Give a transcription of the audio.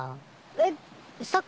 えっ？